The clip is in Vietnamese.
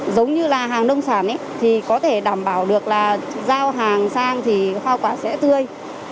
giống như là hàng nông sản thì có thể đảm bảo được là giao hàng sang thì hoa quả sẽ tươi